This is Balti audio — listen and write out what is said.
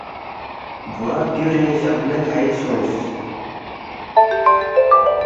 بوا گیُورے جقمے کھئِک سونگس